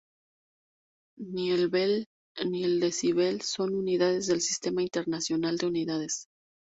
Ni el bel, ni el decibel son unidades del Sistema internacional de unidades.